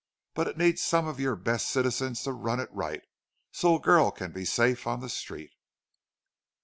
But it needs some of your best citizens to run it right, so a girl can be safe on the street.'"